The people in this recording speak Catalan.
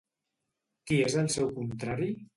Qui és el seu contrari?